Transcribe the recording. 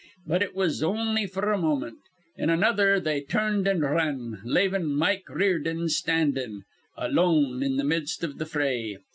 But it was on'y f'r a moment. In another they tur rned an' r run, lavin' Mike Riordan standin' alone in th' mist iv th' fray.